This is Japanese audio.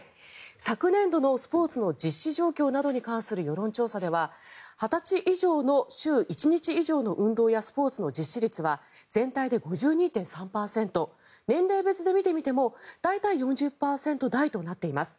昨年度のスポーツの実施状況などに関する世論調査では２０歳以上の週１日以上の運動やスポーツの実施率は全体で５２．３％年齢別で見てみても大体４０％台となっています。